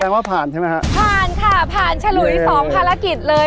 ว่าผ่านใช่ไหมฮะผ่านค่ะผ่านฉลุยสองภารกิจเลย